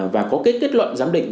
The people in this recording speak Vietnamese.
và có cái kết luận giám định